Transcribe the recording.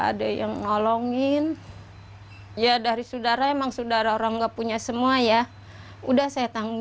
ada yang nolongin ya dari saudara emang saudara orang nggak punya semua ya udah saya tanggung